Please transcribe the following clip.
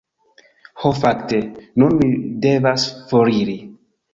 "Ho fakte, nun mi devas foriri."